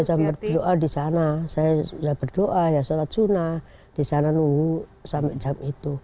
saya berdoa di sana saya berdoa ya sholat sunnah di sana nunggu sampai jam itu